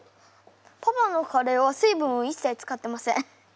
パパのカレーは水分をいっさい使ってません。